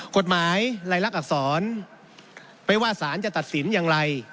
กฎหมายลายลักษณอักษรไม่ว่าสารจะตัดสินอย่างไร